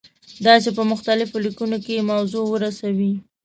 دا چې په مختلفو لیکنو کې موضوع ورسوي.